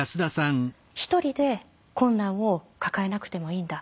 一人で困難を抱えなくてもいいんだ。